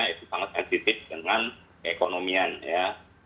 itu sangat sensitif dengan keekonomian ya